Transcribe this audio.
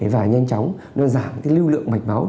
và nhanh chóng nó giảm lưu lượng mạch máu